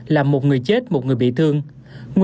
làm một người chết một người bị thương